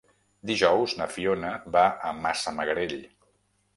Dijous na Fiona va a Massamagrell.